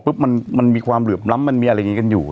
มันมีความเหลื่อมล้ำมันมีอะไรอย่างนี้กันอยู่